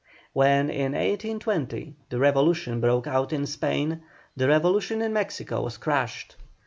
When in 1820 the revolution broke out in Spain the revolution in Mexico was crushed.